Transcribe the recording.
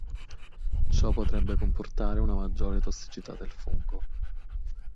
Ciò potrebbe comportare una maggiore tossicità del fungo.